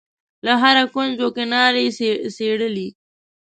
له هره کونج و کناره یې څېړلې.